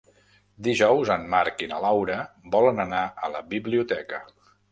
Dijous en Marc i na Laura volen anar a la biblioteca.